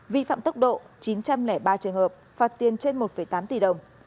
vi phạm tốc độ chín trăm linh ba trường hợp phạt tiền trên một tám tỷ đồng